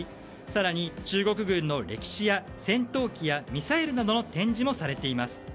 更に中国軍の歴史や、戦闘機やミサイルなどの展示もされています。